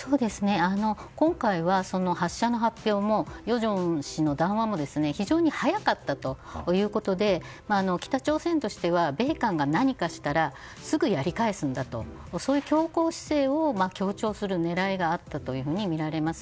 今回は発射の発表も与正氏の談話も非常に早かったということで北朝鮮としては米韓が何かしたらすぐやり返すんだとそういう強硬姿勢を強調する狙いがあったとみられます。